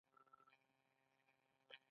دا له خپلواکۍ څخه د دفاع په معنی دی.